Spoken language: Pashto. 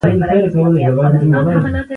پښتو نظم منتقدینو داسې انګیرلې ده.